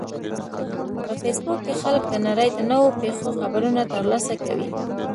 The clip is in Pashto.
په فېسبوک کې خلک د نړۍ د نوو پیښو خبرونه ترلاسه کوي